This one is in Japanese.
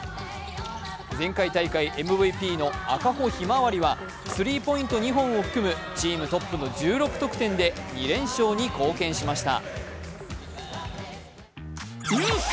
前回大会ＭＶＰの赤穂ひまわりはスリーポイント２本を含むチームトップの１６得点で２連勝に貢献しました。